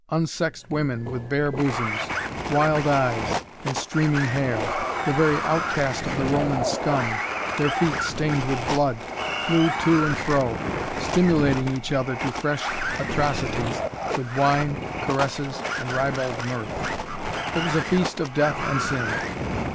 Unsexed women with bare bosoms, wild eyes and streaming hair, the very outcast of the Roman scum, their feet stained with blood, flew to and fro, stimulating each other to fresh atrocities with wine, caresses and ribald mirth. It was a feast of Death and Sin.